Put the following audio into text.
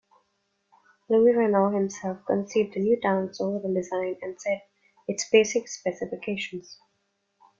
Louis Renault himself conceived the new tank's overall design and set its basic specifications.